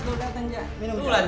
kenapa tuh keliatan aja